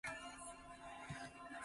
挼